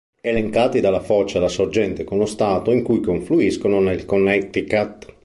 Elencati dalla foce alla sorgente con lo Stato in cui confluiscono nel Connecticut.